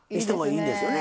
いいですね。